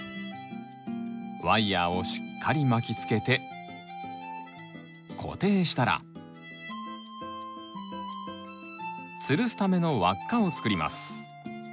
ワイヤーをしっかり巻きつけて固定したらつるすための輪っかを作ります。